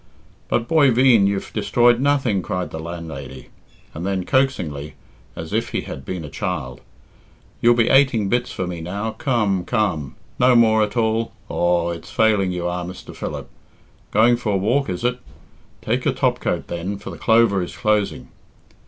"But, boy veen, you've destroyed nothing,", cried the landlady. And then coaxingly, as if he had been a child, "You'll be ateing bits for me, now, come, come! No more at all? Aw, it's failing you are, Mr. Philip! Going for a walk is it? Take your topcoat then, for the clover is closing."